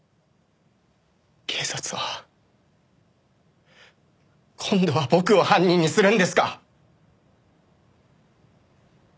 警察は今度は僕を犯人にするんですか？